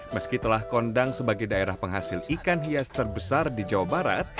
meski telah kondang sebagai daerah penghasil ikan hias terbesar di jawa barat